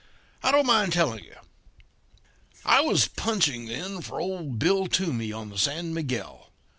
I don't mind telling you. "I was punching then for old Bill Toomey, on the San Miguel.